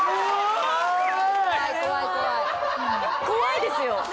怖いですよ。